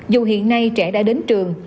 dù hiện nay trẻ đã đến trường